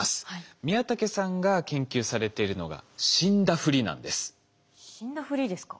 宮竹さんが研究されているのが死んだふりですか？